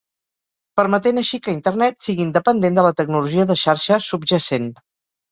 Permetent així que Internet sigui independent de la tecnologia de xarxa subjacent.